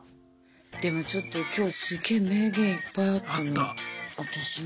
でもちょっと今日すげぇ名言いっぱいあったね。